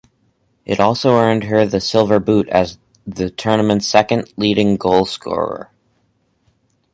It also earned her the Silver Boot as the tournament's second leading goal scorer.